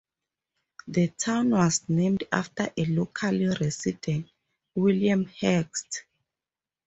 The town was named after a local resident, William Hext.